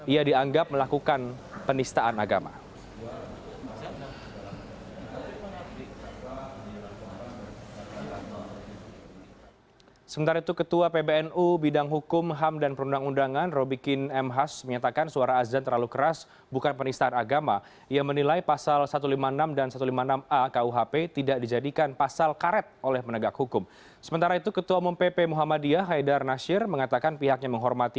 ia dianggap melakukan penistaan agama